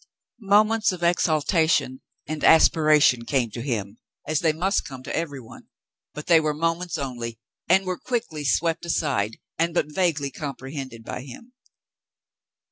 Moments of exaltation and aspiration came to him, as they must come to every one, but they were moments only, and were quickly swept aside and but vaguely com prehended by him.